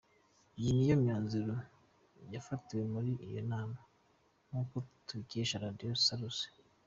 Iyi ni yo myanzuro yafatiwe muri iyo nama nk’uko tubikesha radio Salusi:.